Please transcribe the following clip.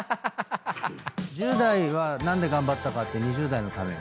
１０代は何で頑張ったかって２０代のために。